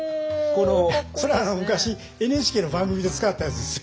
それ昔ＮＨＫの番組で使ったやつですよ。